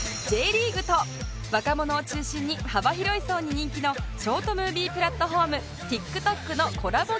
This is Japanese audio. Ｊ リーグと若者を中心に幅広い層に人気のショートムービープラットホーム ＴｉｋＴｏｋ のコラボ